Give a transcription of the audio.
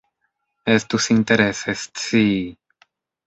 Estus interese scii.